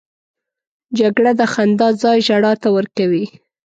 جګړه د خندا ځای ژړا ته ورکوي